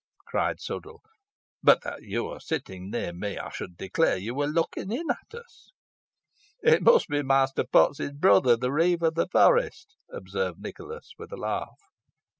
cried Sudall; "but that you are sitting near me, I should declare you were looking in at us." "It must be Master Potts's brother, the reeve of the forest," observed Nicholas, with a laugh.